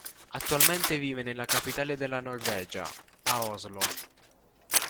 Attualmente vive nella capitale della Norvegia, a Oslo.